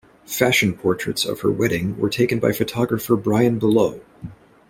Fashion portraits of her wedding were taken by photographer Brian Boulos.